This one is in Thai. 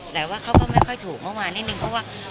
แต่ว่าเขาก็ไม่ค่อยถูกเมื่อวานนิดนึงเพราะว่า